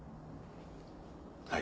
はい。